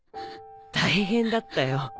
大変だったよ。